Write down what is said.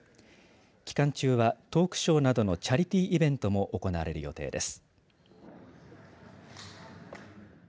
期間中はトークショーなどのチャリティーイベントも行われる予定です。